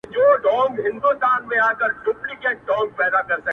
لا پر سوځلو ښاخلو پاڼي لري.!